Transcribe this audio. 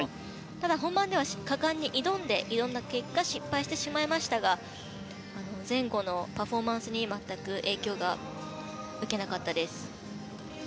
ただ本番では果敢に挑んだ結果失敗しましたが前後のパフォーマンスに全く影響を受けなかったです。